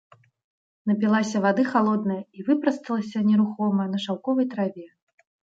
Напілася вады халоднае і выпрасталася, нерухомая, на шаўковай траве.